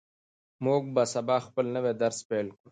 موږ به سبا خپل نوی درس پیل کړو.